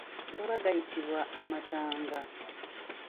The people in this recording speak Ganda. Gaba gayitibwa amatanga.